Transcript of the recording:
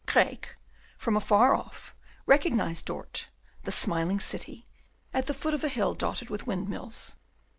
Craeke from afar off recognised Dort, the smiling city, at the foot of a hill dotted with windmills.